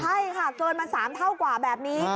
ใช่ค่ะเกินมา๓เท่ากว่าแบบนี้